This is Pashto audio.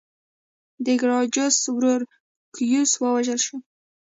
د ګراکچوس ورور ګایوس ووژل شو